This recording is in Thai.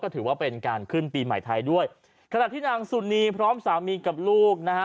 ถือว่าเป็นการขึ้นปีใหม่ไทยด้วยขณะที่นางสุนีพร้อมสามีกับลูกนะฮะ